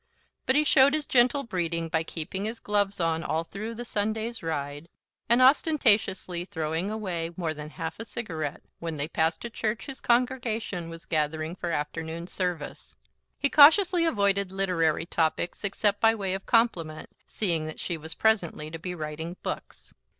But he showed his gentle breeding by keeping his gloves on all through the Sunday's ride, and ostentatiously throwing away more than half a cigarette when they passed a church whose congregation was gathering for afternoon service. He cautiously avoided literary topics, except by way of compliment, seeing that she was presently to be writing books.